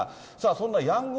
そんなヤング